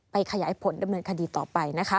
ขยายผลดำเนินคดีต่อไปนะคะ